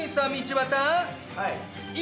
はい。